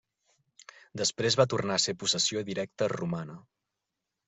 Després va tornar a ser possessió directa romana.